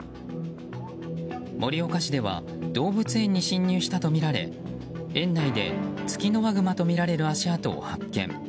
盛岡市では動物園に侵入したとみられ園内でツキノワグマとみられる足跡を発見。